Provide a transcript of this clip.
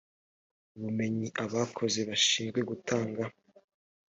ubumenyi abakozi bashinzwe gutanga